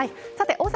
大阪、